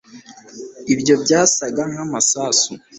ibyo byasaga nkamasasu